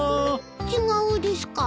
違うですか？